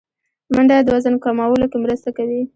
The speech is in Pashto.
منډه د وزن کمولو کې مرسته کوي